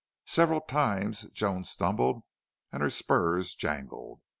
Several times Joan stumbled and her spurs jangled.